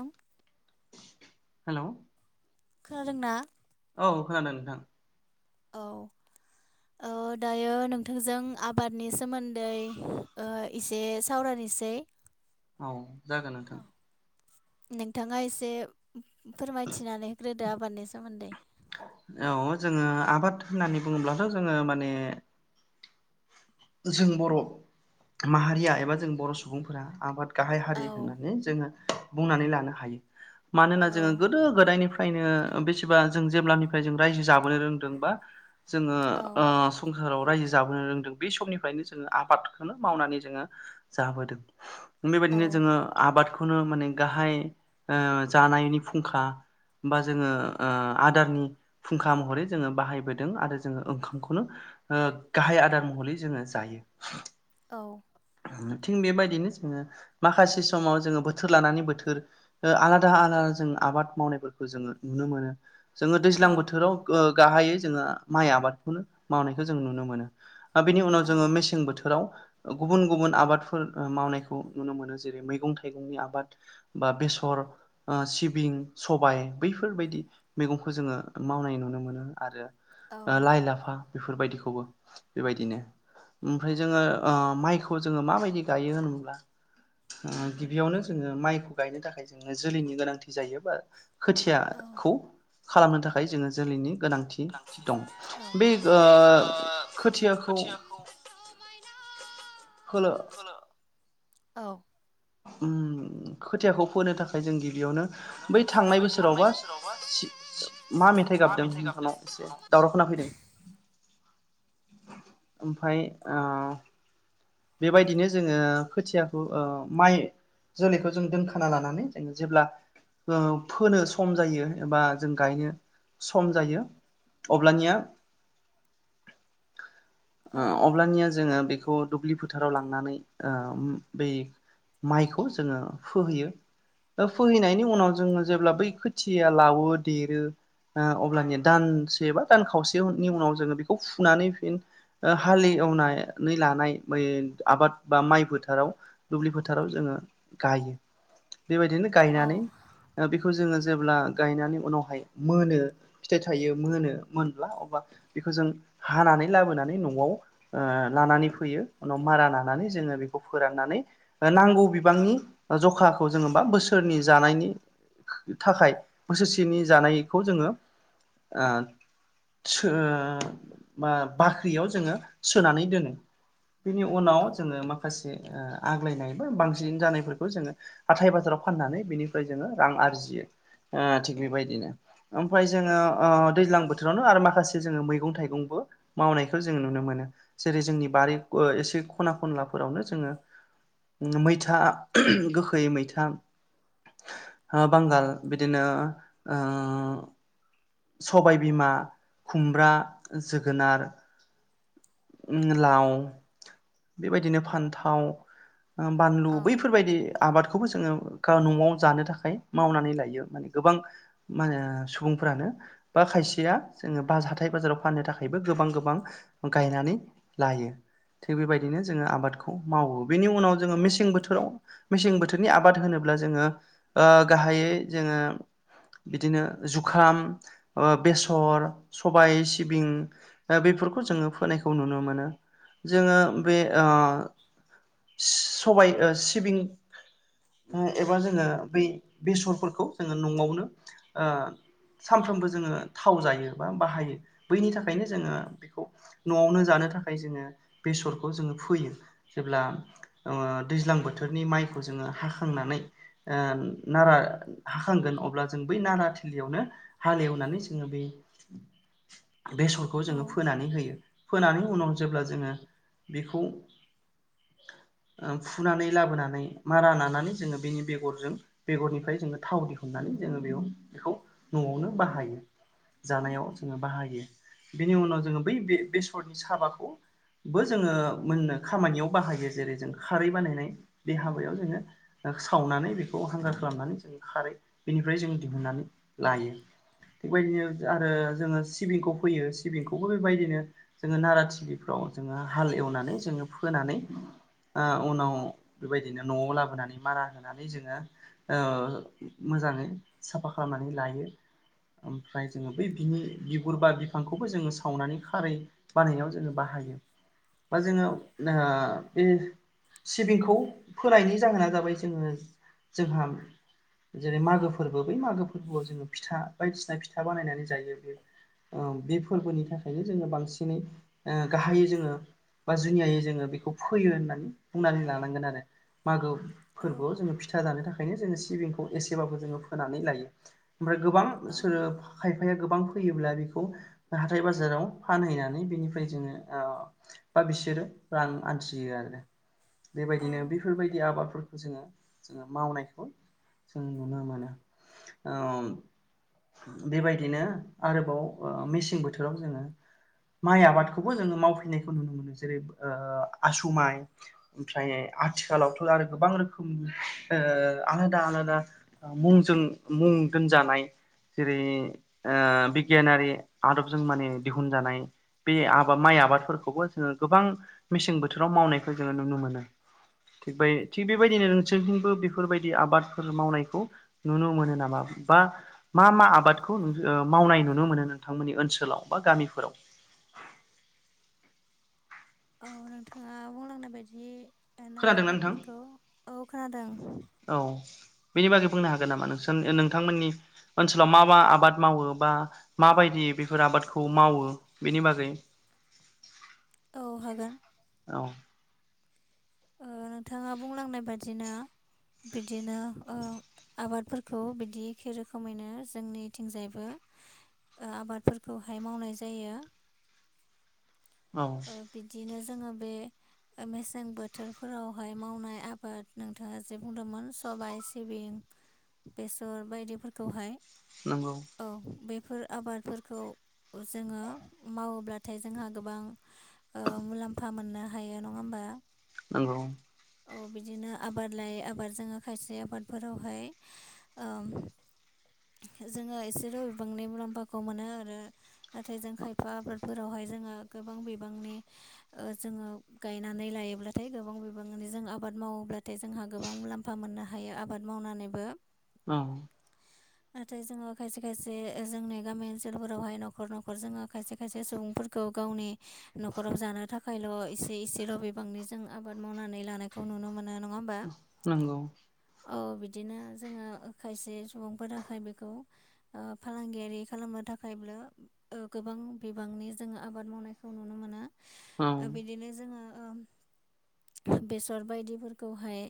ओं हेलौ खोनादोंना। औ खोनादों नोंथां। औ। ओ दायो नोंथांजों आबादनि सोमोन्दैओ एसे सावरायनोसै। औ जागोन औ नोंथां। नोंथाङा एसे फोरमायथिनानै होग्रोदो आबादनि सोमोन्दै। औ जोङो आबाद होननानै बुङोब्लाथ' जोङो माने जों बर' माहारिया एबा जों बर' सुबुंफोरा आबाद गाहाय हारि औ होननानै जोङो बुंनानै लानो हायो मानोना औ जोङो गोदो गोदायनिफ्राय ओंखायनो बेसेबा जों जेब्लानिफ्राय जों रायजो जाबोनो रोंदोंबा जोङो औ ओ संसाराव राज्यो जाबोनो रोंदों। बे समनिफ्रायनो जोङो आबादखौनो मावनानै जोङो जाबोदों औ बेबायदिनो जोङो आबादखौनो माने गाहाय ओ जानायनि फुंखा बा जोङो ओ आदारनि फुंखा महरै जोङो बाहायबोदों आरो जोङो ओंखामखौनो ओ गाहाय आदार महरै जोङो जायो। औ। थिग बेबायदिनो जोङो माखासे समाव जोङो बोथोर लानानै बोथोर ओ आलादा आलादा जों आबाद मावनायफोरखौ जोङो नुनो मोनो। जोङो दैज्लां औ बोथोराव गाहायै जोङो माइ आबादखौनो मावनायखौ जों नुनो मोनो। आरो बेनि उनाव औ जोङो मेसें बोथोराव गुबुन गुबुन आबादफोर मावनायखौ नुनो मोनो जेरै मैगं थाइगंनि आबाद। बा बेसर। ओ सिबिं-सबाय बैफोरबायदि मैगंखौ जोङो मावनाय नुनो मोनो आरो ओ लाइ लाफा बेफोरबायदिखौबो बेबायदिनो ओमफ्राय जोङो ओ माइखौ जोङो माबायदि गायो होनोब्ला ओ गिबियावनो जोङो माइखौ गायनो थाखाय जोङो जोलैनि गोनांथि जायो बा औ खोथियाखौ खालामनो थाखाय जोङो जोलैनि गोनांथि। दं बे ओ खोथियाखौ [unintelligible] औ ओम खोथियाखौ फोनो थाखाय जों गिबियावनो बै थांनाय बोसोरावबा मा मेथाइ गाबदों नोंथांनाव एसे दावराव खा फैदों। ओमफाय ओ बेबायदिनो जोङो खोथियाखौ ओ माइ जोलैखौ जों दोनखाना लानानै जोङो जेब्ला ओ फोनो सम जायो एबा जों गायनो सम जायो। अब्लानिया [inaudible] ओ अब्लानिया जोङो बेखौ दुब्लि फोथाराव लांनानै ओ बै माइखौ जोङो फोहोयो। फोहैनायनि उनाव जोङो जेब्ला बै खोथिया लावो देरो अब्लानि दानसे बा दान खावसेनि उनाव जोङो बेखौ फुनानै फिन हालेवनानै लानाय बै आबाद बा माइ फोथाराव दुब्लि फोथाराव जोङो गायो। बेबायदिनो गायनानै बेखौ जोङो जेब्ला गायनानै उनावहाय मोनो। फिथाइ थायो मोनो मोनब्ला अब्ला बेखौ जों हानानै लाबोनानै न'आव ओ लानानै फैयो उनाव मारा लानानै जोङो बेखौ फोराननानै नांगौ बिबांनि जखाखौ जोङबा बोसोरनि जानायनि थाखाय बोसोरसेनि जानायखौ जोङो सो बा बाख्रियाव जोङो सोनानै दोनो बिनि उनाव औ जोङो माखासे ओ आग्लायनाय बा बांसिन जानायफोरखौ जोङो हाथाय बाजाराव फाननानै बिनिफ्राय जोङो रां आरजियो ओ थिग बेबायदिनो ओमफ्राय जोङो दैज्लां बोथोरावनो आरो माखासे जोङो मैगं थाइगंबो मावनायखौ जों नुनो मोनो जेरै जोंनि बारि एसे खना खनलाफोरावनो जोङो मैथा गोखै मैथा बांगाल बिदिनो सबाय बिमा खुमब्रा जोगोनार लाव बेबायदिनो फान्थाव बानलु औ बैफोरबायदि आबादखौबो जोङो न'आव जानो थाखाय मावनानै लायो माने गोबां मा होनो सुबुंफोरानो बा खायसेया जोङो बा हाथाय बाजाराव फाननो थाखायबो गोबां गोबां गायनानै लायो थिग बेबायदिनो जोङो आबादखौ मावो बेनि उनाव जोङो मेसें बोथोराव मेसें बोथोरनि आबाद होनोब्ला जोङो गाहायै जोङो बिदिनो जुखाम बेसर सबाय सिबिं बेफोरखौ जोङो फोनायखौ नुनो मोनो जोङो बे ओ सबाय ओ सिबिं एबा जोङो बै बेसरफोरखौ जोङो न'आवनो ओ औ सानफ्रोमबो जोङो थाव जायो बा बाहायो बैनि थाखायनो जोङो बेखौ न'आवनो जानो थाखाय जोङो बेसरखौ जोङो फोयो जेब्ला ओ दैज्लां बोथोरनि माइखौ जोङो हाखांनानै ओ नारा हाखांगोन अब्ला जों बै नारा थिलियावनो हालेवनानै जोङो बे बेसरखौ औ जोङो फोनानै होयो फोनानै उनाव जेब्ला जोङो बेखौ [inaudible] फुनानै लाबोनानै मारा नानानै जोङो बेनि बेगरजों बेगरनिफ्राय जोङो थाव दिहुननानै जोङो बेयाव बेखौ न'आवनो बाहायो जानायाव जोङो बाहायो बेनि उनाव जोङो बै बे बेसरनि साबाखौ बो जोङो मोननो खामानियाव बाहायो जेरै जों खारै बानायनाय बे हाबायाव जोङो सावनानै बेखौ हांगार खालामनानै जों खारै बेनिफ्राय जों दिहुननानै लायो थिगबायदिनो आरो जोङो सिबिंखौ फैयो सिबिंखौबो बेबायदिनो जोङो नारा टिभिफ्राव जोङो हाल एवनानै जोङो फोनानै ओ उनाव बेबायदिनो न'आव लाबोनानै मारा होनानै जोङो ओ मोजाङै साफा खालामनानै लायो ओमफ्राय जोङो बै बिनि बिगुर बा बिफांखौबो जोङो सावनानै खारै बानायनायाव जोङो बाहायो बा जोङो ओ बे सिबिंखौ फोनायनि जाहोना जाबाय जोङो जोंहा जेरै- मागो फोरबो बै मागो फोरबो फोरबोआव जोङो फिथा बायदिसिना फिथा बानायनानै जायो बे ओ बे फोरबोनि थाखायनो जोङो बांसिनै ओ गाहायै जोङो बा जुनियायै जोङो बेखौ फैयो होननानै बुंनानै लानांगोन आरो मागो औ फोरबोआव जोङो फिथा जानो थाखायनो जोङो सिबिंखौ एसेबाबो जोङो फोनानै लायो ओमफ्राय गोबां औ सोरो खायफाया गोबां फैयोब्ला बेखौ हाथाय बाजाराव फानहैनानै बेनिफ्राय जोङो ओ बा बिसोरो आन्थियो आरो औ बेबायदिनो बेफोरबायदि आबादफोरखौ जोङो जोङो मावनायखौ जों नुनो मोनो बेबायदिनो आरोबाव मेसें बोथोराव जोङो माइ आबादखौबो जोङो मावफैनायखौ नुनो मोनो जेरै ओ आसु माइ ओमफ्राय आथिखालावथ' आरो गोबां रोखोम ओ आलादा आलादा मुंजों मुं दोनजानाय जेरै ओ बिगियानारि आदबजों माने दिहुनजानाय बे आबाद माइ आबादफोरखौबो जोङो गोबां मेसें बोथोराव मावनायखौ जोङो नुनो मोनो थिग बै थिग बेबायदिनो नोंसोरथिंबो बेफोरबायदि आबादफोर मावनायखौ नुनो मोनो नामा बा मा मा आबादखौ ओ मावनाय नुनो मोनो नोंथांमोननि ओनसोलाव बा गामिफोराव [inaudible] औ नोंथाङा बुंलांनाय बायदि दाना खोनादोंना नोंथां आबादफोरखौ औ खोनादों औ बेनि बागै बुंनो हागोन नामा नोंसोर नोंथांमोननि ओनसोलाव मा मा आबाद मावो बा माबायदि बेफोर आबादखौ मावो बेनि बागै औ हागोन औ ओ नोंथाङा बुंलांनाय बादिनो बिदिनो ओ आबादफोरखौ बिदि एखे रोखोमैनो जोंनिथिंजायबो ओ आबादफोरखौहाय मावनाय जायो। औ ओ बिदिनो जोङो बे ओ मेसें बो‌ थोरफोरावहाय मावनाय आबाद नोंथाङा जे बुंदोंमोन सबायाइ सिबिं बेसर बायदिफोरखौहाय नंगौ औ बेफोर आबादफोरखौ जोङो मावोब्लाथाय जोंहा गोबां ओ मुलाम्फा मोननो हायो नङा होमबा। नोंगौ। औ बिदिनो आबाद लायै आबाद जोङो खायसे आबादफोरावहाय ओम जोङो एसेल' बिबांनि मुलाम्फाखौ मोनो आरो नाथाय जों खायफा आबादफोरावहाय जोंहा गोबां बिबांनि ओ जोङो गायनानै लायोब्ला थाय गोबां बिबाङनो जों आबाद मावोब्लाथाय जोंहा गोबां मुलाम्फा मोननो हायो आबाद मावनानैबो औ [unintelligible] नाथाय जोङो खायसे खायसे जोंनि गामि ओनसोल फोरावहाय न'खर न'खर जोङो खायसे खायसे सुबुंफोर खौ गावनि न'खराव जानो थाखायल' एसे एसेल बिबांनि जों आबाद मावनानै लानायखौ नुनो मोनो नङा नंगौ। औ बिदिनो जोङो खायसे सुबुंफोरखाय बेखौ ओ फालांगियारि खालामनो थाखायबो ओ गोबां बिबांनि जोङो आबाद मावनायखौ नुनो मोनो औ ओ बिदिनो जोङो ओ बेसर बायदिफोरखौहाय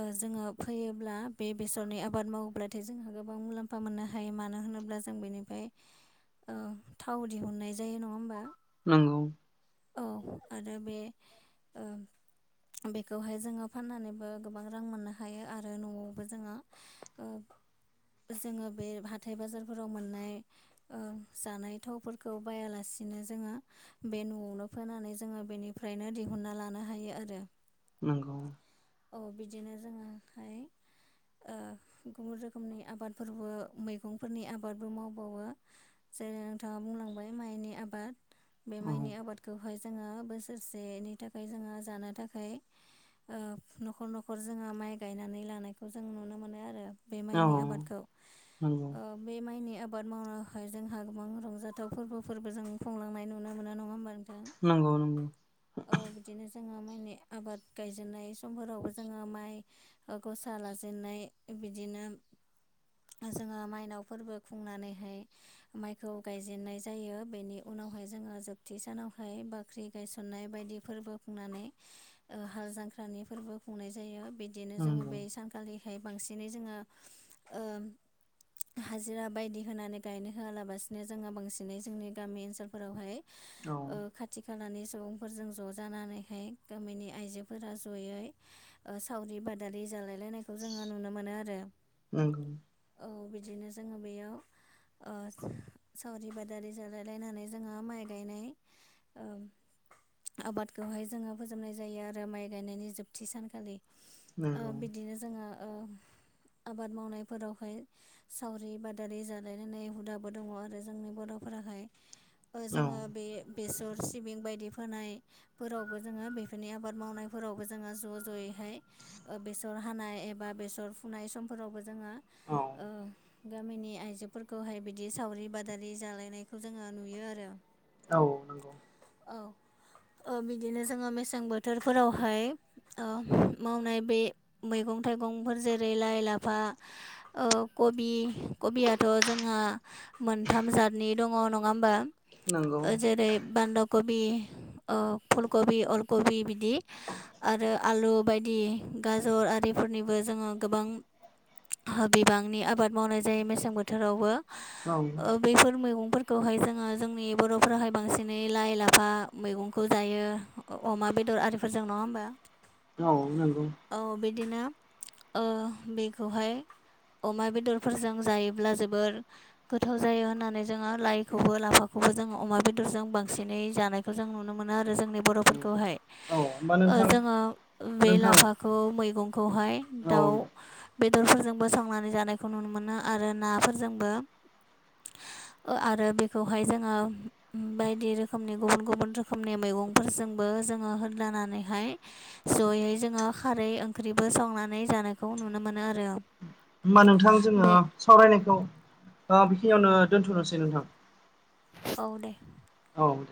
ओ जोङो फैयोब्ला बे बेसरनि आबाद मावोब्लाथाय जोंहा गोबां मुलाम फा मोननो हायो मानो होनोब्ला जों बेनिफ्राय ओ थाव दिहुननाय जायो नङा होमबा नोंगौ औ आरो बे ओ बेखौहाय जोङो फाननानैबो गोबां रां मोननो हायो आरो न'आवबो जोङो ओब जोङो बे हाथाय बाजारफोराव मोननाय ओ जानाय थावफोरखौ बायालासिनो जोङो बे न'आवनो फोनानै जोङो बेनिफ्रायनो दिहुनन्ना लानो हायो आरो नंगौ औ बिदिनो जोङोहाय गुबुन रोखोमनि आबादफोरबो मैगंफोरनि आबादबो माववो। जेरै नोंथाङा बुंलांबाय माइनि आबाद बे औ माइनि आबादखौहाय जोङो बोसोरसेनि थाखाय जोङो जानो थाखाय। न'खर न'खर जोङो माइ गायनानै लानायखौ जों नुनो मोनो आरो। बे औ माइनि नंगौ आबादखौ नंगौ बे माइनि आबाद मावनायखाय जोंहा गोबां रंजाथाव फोरबोफोरबो जों खुंलांनाय नुनो मोनो नङा होमबा नों नंगौ नंगौ औ बिदिनो जोङो मानि आबाद गायजेननाय समफोरावबो जोङो माइ गसा लाजेनाय बिदिनो जोङो मायनाव फोरबो खुंनानैहाय माइखौ गायजेननाय जायो बेनि उनावहाय जोङो जोबथि सानावहाय बा बाख्रि गायसननाय बायदि फोरबो खुंनानै हाल जांख्रानि फोरबो खुंनाय जायो बिदिनो जोङो नंगौ बेै सान खालिहाय बांसिनै जोङो ओ हाजिरा बायदि होनानै गायनो होआलाबसिनो जोंङो बांसिनै जोंनि गामि ओनसोलफोरावहाय औ खाथि खालानि सुबुंफोरजों ज ज जानानैहाय गामिनि आइजोफोरा जयै सावरि बादारि जालायलायनाय खौ जोङो नुनो मोनो आरो, नंगौ औ बिदिनो जोङो बेयाव ओ सावरि बादारि जालाय लायनानै जोङो माइ गायनाय आबादखौहाय जोङो फोजोबनाय जायो आरो माइ गायनायनि जोबथि सानखालि। ओ नंगौ बिदिनो जोङो आबाद मावनायफोरावहाय सावरि बादारि जालायनाय हुदाबो दङ आरो जोंनि बरफोराहाय। औ जोङो बे बेसर सिबिं बायदि फोनाय फोरावबो जोङो बेफोरनि आबाद मावनायफोरावबो जोङो ज जयैहाय बेसर हानाय एबा बेसर फुनाय समफोरावबो जोङो औ गामिनि आइजोफोरखौहाय बिदि सावरि बादा जालायनायखौ जोङो नुयो आरो। औ। नंगौ औ। बिदिनो जोङो मेसें बोथोरफोरावहाय मावनाय बे मैगं थाइगंफोर जेरै लाइ लाफा कबि कबियाथ जोङो मोनथाम जतनि दङ नङा होमबा? नंगौ जेरै बान्दा कबि फुलकबि अलकबि बिदि आरो आलु बायदि गाजर आरिफोरनिबो जोङो गोबां बिबांनि आबाद मावनाय जायो मेसें बोथोरावबो, औ बेफोर मैगं खौहाय जोङो जोंनि बर'फोराहाय बांसिनै लाइ लाफा मैगं खौ जायो अमा बेदर आरिफोरजों नङा होमबा? औ नंगौ। औ बिदिनो बेखौहाय अमा बेदरफोरजों जायोब्ला जोबोर गोथाव जायो होननानै जोङो लाइखौबो लाफाखौबो जोङो अमा बेदरजों बांसिनै जानायखौ जों नुनो नुनो मोनो आरो जोंनि औ बर'फोरखौहाय। औ होमबा नोंथां जोङो बे नोंथां औ लाफाखौ मैगंखौहाय दाउ होमबा बेदरफोरजोंबो सावनानै जानायखौ नुनो मोनो आरो नाफोरजोंबो आरो बेखौहाय जोङो बायदि रोखोमनि गुबुन गुबुन रोखोम रोखोमनि मैगंफोरजोंबो जोङो होदालानानैहाय जयै जोङो खारै ओंख्रिबो सावनानै जानायखौ नुनो मोनो आरो। होमबा नोंथां जोङो बे सावरायनायखौ बेखिनियावनो दोन्थनोसै नोंथां। औ दे औ